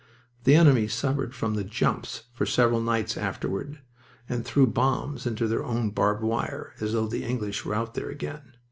The enemy suffered from "the jumps" for several nights afterward, and threw bombs into their own barbed wire, as though the English were out there again.